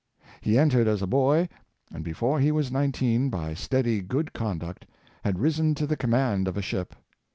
He entered as a boy, and before he was nineteen, by steady good con duct, had risen to the command of a ship.